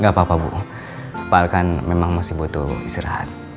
gak apa apa bu soal kan memang masih butuh istirahat